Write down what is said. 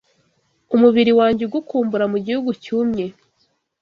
Umubiri wanjye ugukumbura mu gihugu cyumye